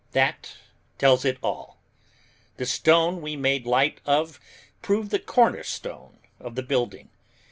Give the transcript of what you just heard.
That tells it all. The stone we made light of proved the cornerstone of the building.